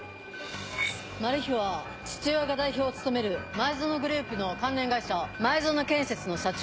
マルヒは父親が代表を務める前薗グループの関連会社前薗建設の社長。